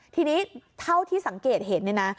ทีนี้เท่าที่สังเกตเห็นเนี่ยนะ